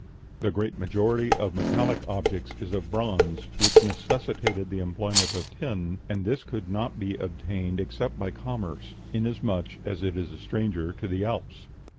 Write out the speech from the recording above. The great majority of metallic objects is of bronze, which necessitated the employment of tin, and this could not be obtained except by commerce, inasmuch as it is a stranger to the Alps.